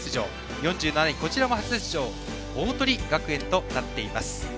４７位、こちらも初出場鵬学園となっています。